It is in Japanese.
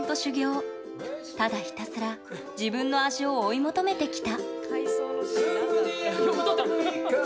ただひたすら自分の味を追い求めてきた。